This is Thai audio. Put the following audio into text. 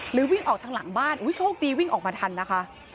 วิ่งออกทางหลังบ้านโชคดีวิ่งออกมาทันนะคะ